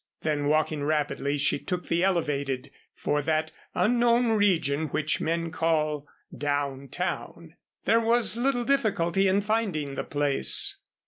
Then walking rapidly she took the elevated for that unknown region which men call down town. There was little difficulty in finding the place.